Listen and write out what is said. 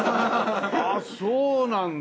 あっそうなんだ。